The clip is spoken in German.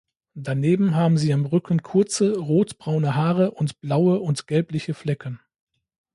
Daneben haben sie am Rücken kurze, rotbraune Haare und blaue und gelbliche Flecken.